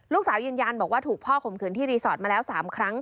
ยืนยันบอกว่าถูกพ่อข่มขืนที่รีสอร์ทมาแล้ว๓ครั้ง